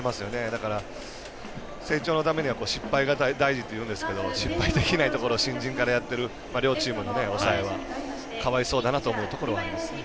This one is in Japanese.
だから、成長のためには失敗が大事っていうんですけど失敗できないところを新人からやっている両チームの抑えはかわいそうだなと思うところはありますね。